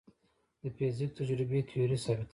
د فزیک تجربې تیوري ثابتوي.